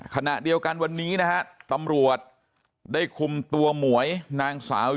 ขณะเดียวกันวันนี้นะฮะตำรวจได้คุมตัวหมวยนางสาว